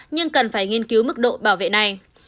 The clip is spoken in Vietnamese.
nhưng cần phải nghiên cứu mức độ bảo vệ này